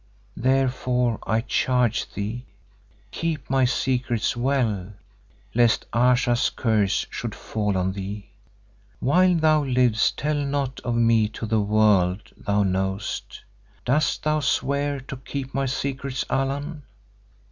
Therefore I charge thee, keep my secrets well, lest Ayesha's curse should fall on thee. While thou livest tell naught of me to the world thou knowest. Dost thou swear to keep my secrets, Allan?"